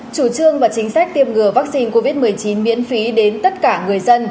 chủ trương và chính sách tiêm ngừa vaccine covid một mươi chín miễn phí đến tất cả người dân